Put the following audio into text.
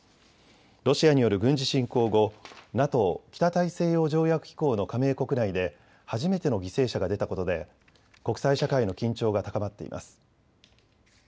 ロシアによる軍事侵攻後、ＮＡＴＯ・北大西洋条約機構の加盟国内で初めての犠牲者が出たことで国際社会の緊張が高まっています。